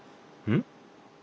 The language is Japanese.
ん？